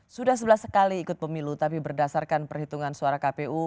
sudah sebelas kali ikut pemilu tapi berdasarkan perhitungan suara kpu